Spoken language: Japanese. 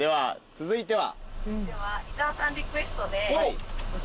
続いては。